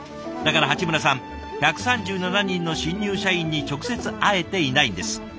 だから鉢村さん１３７人の新入社員に直接会えていないんです。